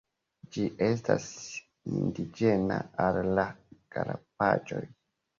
Ĝi estas indiĝena al la Galapagoj.